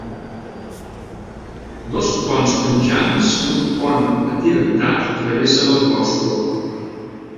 Dos ponts penjants i un pont atirantat travessen el Bòsfor.